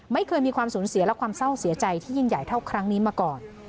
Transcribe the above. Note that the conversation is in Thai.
ไม่เคยมีความสูญเสียและความเศร้าเสียใจที่ยิ่งใหญ่เท่าครั้งนี้มาก่อน